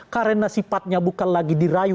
karena sifatnya bukan lagi dirayu